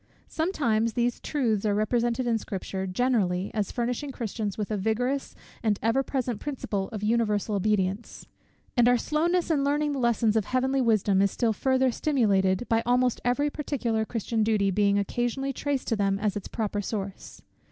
Sometimes these truths are represented in Scripture, generally, as furnishing Christians with a vigorous and ever present principle of universal obedience. And our slowness in learning the lessons of heavenly wisdom is still further stimulated, by almost every particular Christian duty being occasionally traced to them as to its proper source.